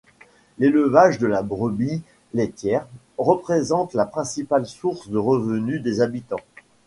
L'élevage de la brebis laitière représente la principale source de revenu des habitants.